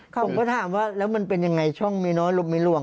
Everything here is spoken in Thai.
ผมก็ถามว่าแล้วมันเป็นยังไงช่องมีน้อยลงไม่ล่วง